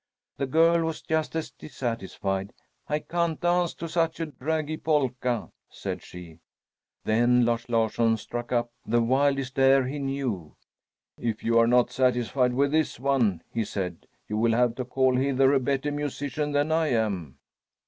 The girl was just as dissatisfied. "I can't dance to such a draggy polka," said she. Then Lars Larsson struck up the wildest air he knew. "If you are not satisfied with this one," he said, "you will have to call hither a better musician than I am."